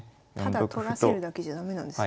ただ取らせるだけじゃ駄目なんですね。